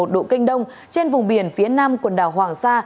một trăm một mươi hai một độ kinh đông trên vùng biển phía nam quần đảo hoàng sa